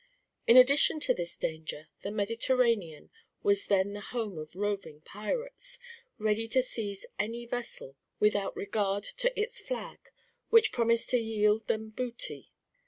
In addition to this danger, the Mediterranean was then the home of roving pirates, ready to seize any vessel, without regard to its flag, which promised to yield them booty.